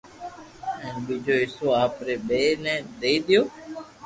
ھين ٻيجو حصو آپري ٻئير ني دئي ديدو